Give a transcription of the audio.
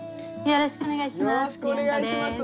よろしくお願いします。